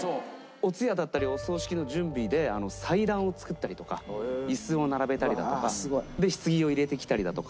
お通夜だったりお葬式の準備で祭壇を作ったりとか椅子を並べたりだとかひつぎを入れてきたりだとか。